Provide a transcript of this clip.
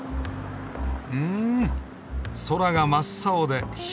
ん空が真っ青で広い！